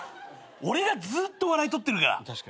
俺がずっと笑い取ってるから。